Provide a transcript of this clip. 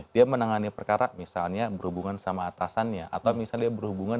dia menangani perkara misalnya berhubungan sama atasannya atau misalnya dia berhubungan